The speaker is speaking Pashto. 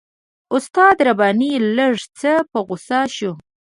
استاد رباني لږ څه په غوسه شو.